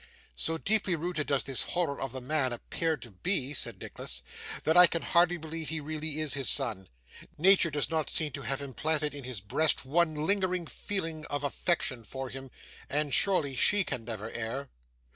'So deeply rooted does this horror of the man appear to be,' said Nicholas, 'that I can hardly believe he really is his son. Nature does not seem to have implanted in his breast one lingering feeling of affection for him, and surely she can never err.